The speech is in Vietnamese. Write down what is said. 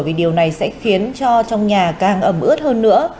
vì điều này sẽ khiến cho trong nhà càng ẩm ướt hơn nữa